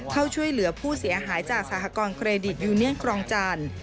เข้าช่วยเหลือผู้เสียหายจากสหกรณเครดิตยูเนียนครองจันทร์